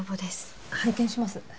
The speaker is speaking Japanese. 拝見します。